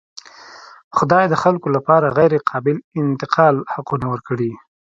خدای د خلکو لپاره غیرقابل انتقال حقونه ورکړي.